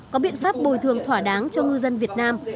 có biện pháp bồi thường thỏa đáng cho ngư dân việt nam